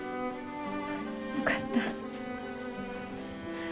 よかった。